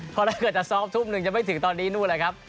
เพราะถ้าเกิดจะซ้อมทุ่มหนึ่งจะไม่ถึงตอนนี้นู่นเลยครับ